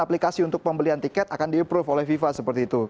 aplikasi untuk pembelian tiket akan di approve oleh fifa seperti itu